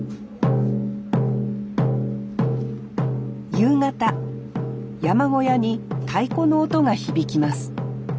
夕方山小屋に太鼓の音が響きます。